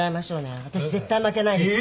私絶対負けないですから。